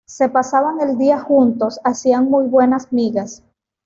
Se pasaban el día juntos, hacían muy buenas migas